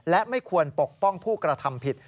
และไม่ควรปกป้องผู้กระทำผิด